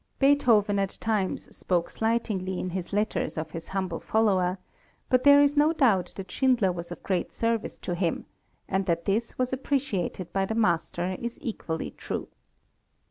Beethoven at times spoke slightingly in his letters of his humble follower, but there is no doubt that Schindler was of great service to him, and that this was appreciated by the master is equally true.